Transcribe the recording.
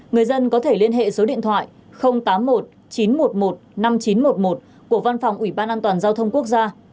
người dân có thể liên hệ số điện thoại tám mươi một chín trăm một mươi một năm nghìn chín trăm một mươi một của văn phòng ủy ban an toàn giao thông quốc gia